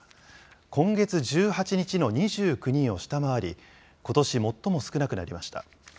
今月１８日の２９人を下回り、ことし最も少なくなりました。